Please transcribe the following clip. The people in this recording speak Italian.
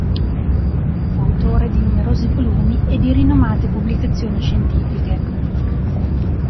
Fu autore di numerosi volumi e di rinomate pubblicazioni scientifiche.